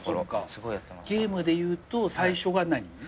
ゲームで言うと最初が何？